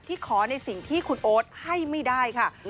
ขอในสิ่งที่คุณโอ๊ตให้ไม่ได้ค่ะ